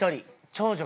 長女？